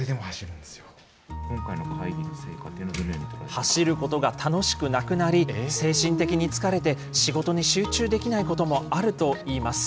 走ることが楽しくなくなり、精神的に疲れて、仕事に集中できないこともあるといいます。